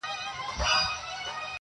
• د نېستۍ قصور یې دی دغه سړی چي..